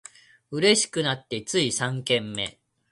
嬉しくなってつい三軒目